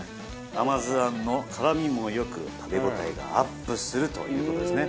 甘酢あんの絡みも良く食べ応えがアップするという事ですね。